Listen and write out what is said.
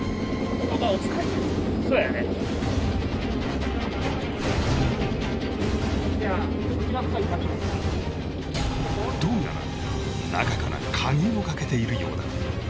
そうやねどうやら中から鍵をかけているようだ